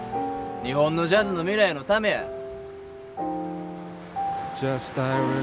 日本のジャズの未来のためや。